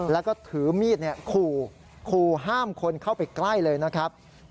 แล้วก็ถือมีดขู่ขู่ห้ามคนเข้าไปใกล้เลยนะครับ